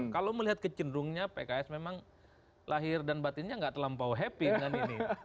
kalau melihat kecenderungannya pks memang lahir dan batinnya nggak terlampau happy dengan ini